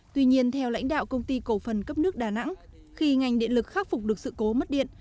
tuy nhiên theo lãnh đạo công ty cổ phần cấp nước đà nẵng khi ngành điện lực khắc phục được sự cố mất điện